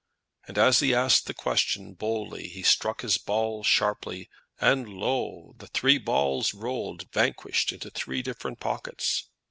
And as he asked the question boldly he struck his ball sharply, and, lo, the three balls rolled vanquished into three different pockets.